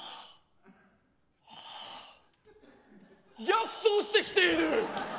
逆走してきている！